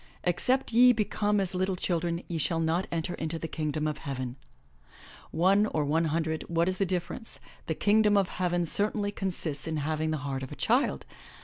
'Except ye become as little children ye shall not enter into the Kingdom of Heaven.' One or one hundred, what is the difference — the Kingdom of Heav en certainly consists in having the heart of a child!